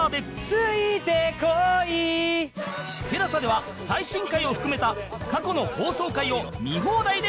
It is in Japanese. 「ついてこい」ＴＥＬＡＳＡ では最新回を含めた過去の放送回を見放題で配信中